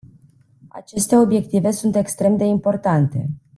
Aceste obiective sunt extreme de importante.